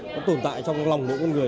nó tồn tại trong lòng mỗi con người